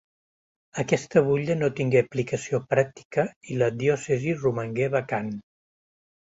Aquesta butlla no tingué aplicació pràctica i la diòcesi romangué vacant.